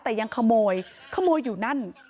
แต่ยังขโมยขโมยอยู่นั่น